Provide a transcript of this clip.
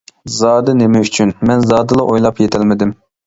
زادى نېمە ئۈچۈن؟ مەن زادىلا ئويلاپ يېتەلمىدىم.